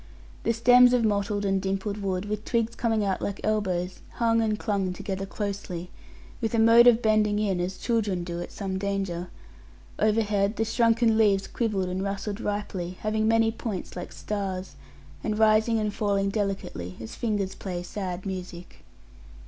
The stems of mottled and dimpled wood, with twigs coming out like elbows, hung and clung together closely, with a mode of bending in, as children do at some danger; overhead the shrunken leaves quivered and rustled ripely, having many points like stars, and rising and falling delicately, as fingers play sad music.